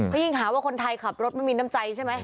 เขายิ่งหาว่าคนไทยขับรถไม่มีน้ำใจใช่ไหม